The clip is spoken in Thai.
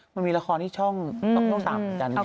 มันมีละครที่ช่องต้องทำอย่างนี้